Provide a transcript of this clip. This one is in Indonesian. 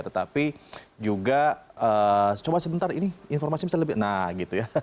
tetapi juga coba sebentar ini informasi bisa lebih nah gitu ya